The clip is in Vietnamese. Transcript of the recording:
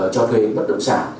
cho thuê bất động sản